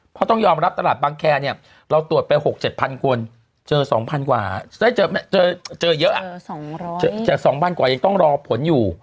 เพราะต้องยอมรับตลาดบางแคร์เนี่ยเราตรวจไป๖๗๐๐คนเจอ๒๐๐กว่าได้เจอเยอะแต่๒๐๐กว่ายังต้องรอผลอยู่